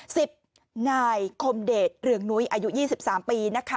สิบนายคมเดชเรื่องหนุ้ยอายุ๒๓ปี